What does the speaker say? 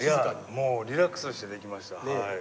もうリラックスしてできましたはい。